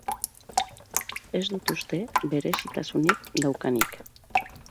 Ez dut uste berezitasunik daukanik.